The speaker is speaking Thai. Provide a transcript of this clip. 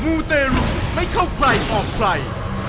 มูเตรุไม่เข้าใกล้ออกไกล